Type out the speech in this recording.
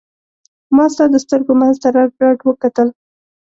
ما ستا د سترګو منځ ته رډ رډ وکتل.